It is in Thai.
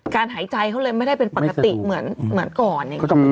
การหายใจเขาเลยไม่ได้เป็นปกติเหมือนเหมือนก่อนอย่างงี้